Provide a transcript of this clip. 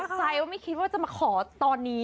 ใจว่าไม่คิดว่าจะมาขอตอนนี้